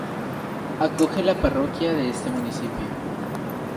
Acoge la parroquia de este municipio.